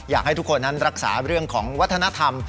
อยากให้ทุกคนนั้นรักษาเรื่องของวัฒนธรรม